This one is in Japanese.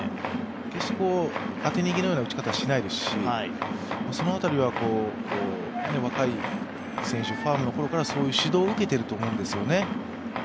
決して当て逃げのような打ち方はしないですし、その辺りは若い選手、ファームのころからそういう指導を受けていると思うんですよね。